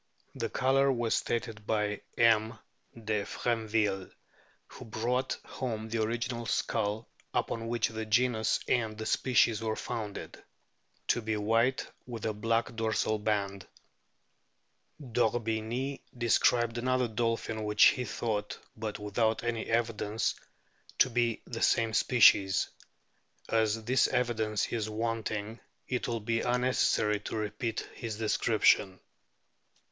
The colour was stated by M. de Freminville, who brought home the original skull upon which the genus and * Bull. Soc. Philom., 1844, p. 39. 304 A BOOK OF WHALES the species were founded, to be white with a black dorsal band. D'Orbigny described another dolphin which he thought, but without any evidence, to be the same species ; as this evidence is wanting it will be unnecessary to repeat his description.